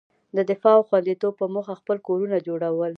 د دفاع او خوندیتوب په موخه خپل کورونه جوړول.